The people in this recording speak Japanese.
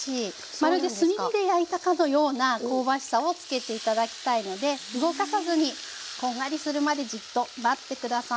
まるで炭火で焼いたかのような香ばしさをつけて頂きたいので動かさずにこんがりするまでじっと待って下さい。